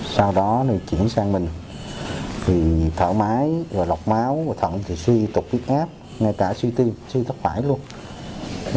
sau đó nó chuyển sang mình thì thở mái lọc máu thận thì suy tục viết áp ngay cả suy tin suy thất phải luôn